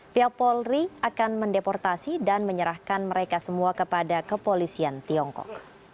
pihak polri akan mendeportasi dan menyerahkan mereka semua kepada kepolisian tiongkok